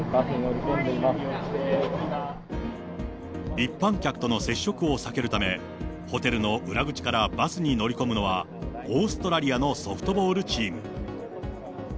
一般客との接触を避けるため、ホテルの裏口からバスに乗り込むのは、オーストラリアのソフトボールチーム。